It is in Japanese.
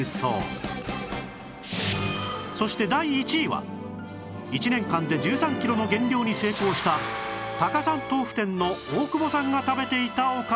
そして第１位は１年間で１３キロの減量に成功したたかさん豆腐店の大久保さんが食べていたおから料理